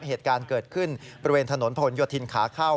เหตุการณ์เกิดขึ้นบริเวณถนนผลโยธินขาเข้า